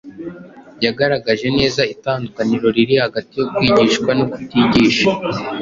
Yagaragaje neza itandukaniro riri hagati yo kwigishwa no kutigisha